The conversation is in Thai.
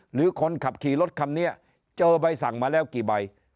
หรือคนขับขี่รถคันนี้เจอใบสั่งมาแล้วกี่ใบ